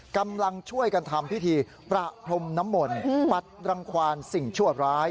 กำลังช่วยกันทำพิธีประพรมน้ำมนต์ปัดรังความสิ่งชั่วร้าย